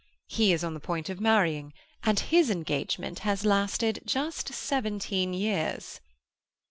He is on the point of marrying, and his engagement has lasted just seventeen years."